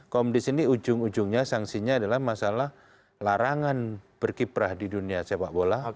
komdis ini ujung ujungnya sanksinya adalah masalah larangan berkiprah di dunia sepak bola